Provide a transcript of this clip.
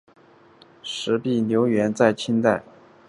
石壁流淙园在清代原是扬州盐商徐赞侯别墅。